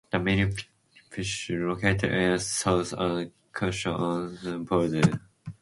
The municipality is located in the south of the Canton, on the Swiss-French border.